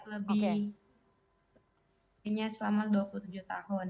selama dua puluh tujuh tahun